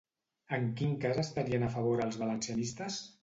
En quin cas estarien a favor els valencianistes?